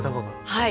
はい。